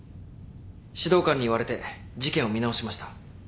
指導官に言われて事件を見直しました。